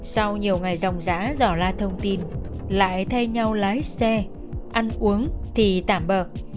sau nhiều ngày dòng giã dỏ la thông tin lại thay nhau lái xe ăn uống thì tạm bờ